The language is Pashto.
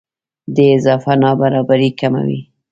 دې اضافه نابرابرۍ کموي.